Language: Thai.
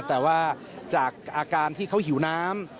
แต่ว่าจากอาการที่เขาหิวน้ำ